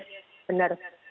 pada orang yang yes benar